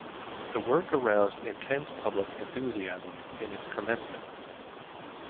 The work aroused intense public enthusiasm in its commencement.